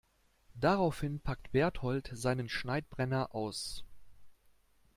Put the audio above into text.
Daraufhin packt Bertold seinen Schneidbrenner aus.